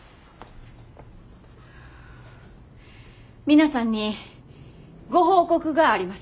皆さんにご報告があります。